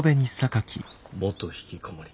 元ひきこもり。